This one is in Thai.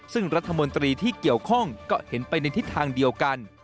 ซึ่งรัฐมนตรีที่เกี่ยวข้องก็เห็นไปในทิศทางเดียวกัน